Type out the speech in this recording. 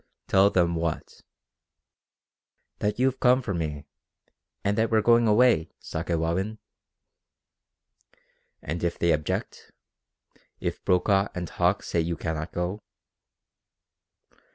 "Tell them what?" "That you've come for me, and that we're going away, Sakewawin." "And if they object? If Brokaw and Hauck say you cannot go?"